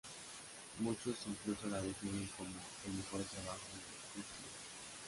Muchos incluso la definen como el mejor trabajo de Huxley.